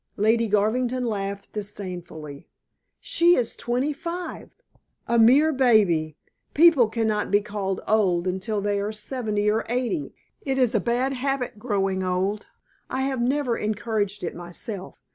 Lady Garvington laughed disdainfully. "She is twenty five." "A mere baby. People cannot be called old until they are seventy or eighty. It is a bad habit growing old. I have never encouraged it myself.